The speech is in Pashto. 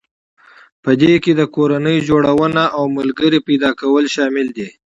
په دې کې د کورنۍ جوړونه او ملګري پيدا کول شامل دي.